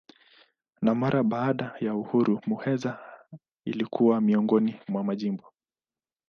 Na mara baada ya uhuru Muheza ilikuwa miongoni mwa majimbo.